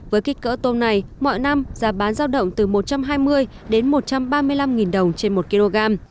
với kích cỡ tôm này mọi năm giá bán giao động từ một trăm hai mươi đến một trăm ba mươi năm đồng trên một kg